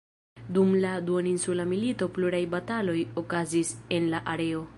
Dum la Duoninsula Milito pluraj bataloj okazis en la areo.